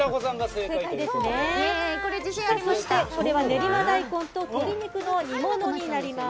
そしてこれは練馬大根と鶏肉の煮物になります。